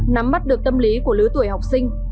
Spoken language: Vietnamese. nắm mắt được tâm lý của lứa tuổi học sinh